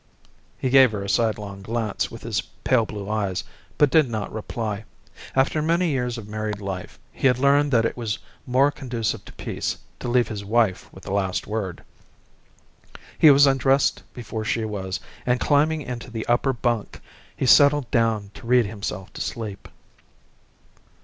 He gave her a sidelong glance with his pale, blue eyes, but did not reply. After many years of married life he had learned that it was more conducive to peace to leave his wife with the last word. He was undressed before she was, and climbing into the upper bunk he settled down to read himself to sleep.